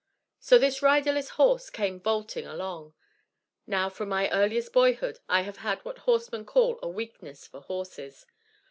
So this riderless horse came vaulting along. Now from my earliest boyhood I have had what horsemen call a 'weakness' for horses.